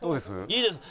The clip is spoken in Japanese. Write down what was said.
いいです。